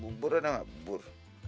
bubur ada nggak bubur